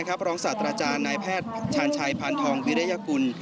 รองศาสตราจารย์นายแพทย์ชาญชัยพานทองวิริยกุล